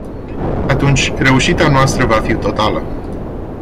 Atunci, reușita noastră va fi totală.